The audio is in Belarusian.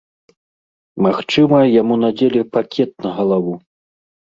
Магчыма, яму надзелі пакет на галаву.